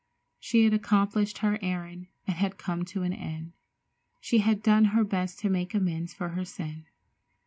She had accomplished her errand, and had come to the end. She had done her best to make amends for her sin.